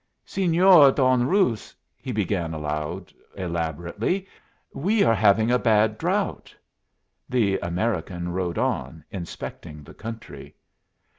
Señor Don Ruz," he began aloud, elaborately, "we are having a bad drought." The American rode on, inspecting the country.